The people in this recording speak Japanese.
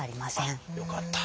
よかった。